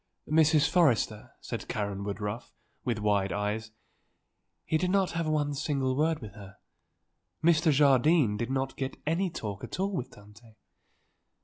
"Mrs. Forrester," said Karen Woodruff, with wide eyes, "he did not have one single word with her; Mr. Jardine did not get any talk at all with Tante.